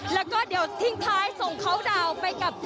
แล้วก็เดี๋ยวทิ้งท้ายส่งเขาดาวน์ไปกับ